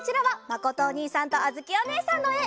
まことおにいさんとあづきおねえさんのえ！